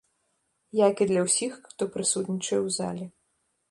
Як і для ўсіх, хто прысутнічае ў зале.